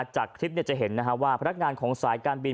จากคลิปจะเห็นว่าพนักงานของสายการบิน